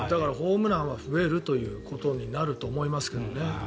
ホームランが増えることになると思いますけどね。